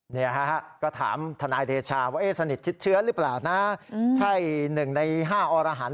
เนี่ยเฮ้ยถามธนายเดชาว่าสนิทธิเชื้อหรือเปล่านะ